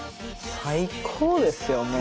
最高ですよ